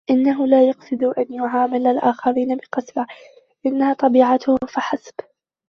إنه لا يقصد أن يعامل الآخرين بقسوة. إنها طبيعته فحسب.